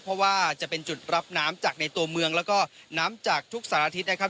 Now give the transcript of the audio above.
เพราะว่าจะเป็นจุดรับน้ำจากในตัวเมืองแล้วก็น้ำจากทุกสารอาทิตย์นะครับ